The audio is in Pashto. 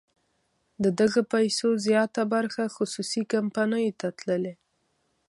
د دغه پیسو زیاته برخه خصوصي کمپنیو ته تللې.